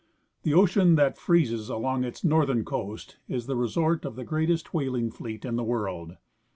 The ocean that freezes along its northern coast is the resort of the greatest whaling fleet in the world.